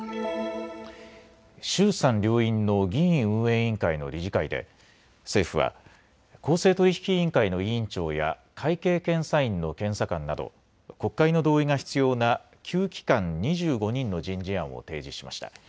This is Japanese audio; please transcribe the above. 衆参両院の議院運営委員会の理事会で政府は公正取引委員会の委員長や会計検査院の検査官など国会の同意が必要な９機関２５人の人事案を提示しました。